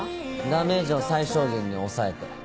ダメージを最小限に抑えて。